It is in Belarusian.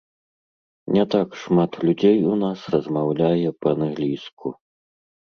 Не так шмат людзей у нас размаўляе па-англійску.